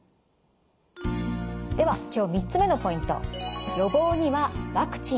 では今日３つ目のポイント。